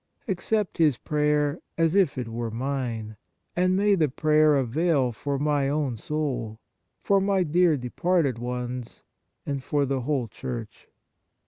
Accept his prayer as if it were mine, and may the prayer avail for my own soul, for my dear departed ones, and for the whole Church."